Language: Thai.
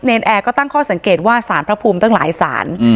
แอร์ก็ตั้งข้อสังเกตว่าสารพระภูมิตั้งหลายสาร